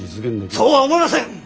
そうは思いません！